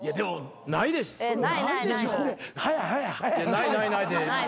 ないないないない。